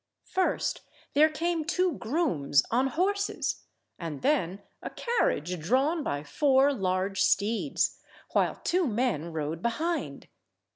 First there came two grooms on horses, and then a carriage drawn by four large steeds, while two men rode behind.